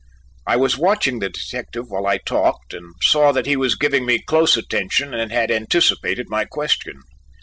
I was watching the detective while I talked and saw that he was giving me close attention and had anticipated my question.